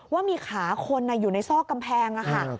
ว่ามีขาคนอยู่ในซอกกำแพงค่ะ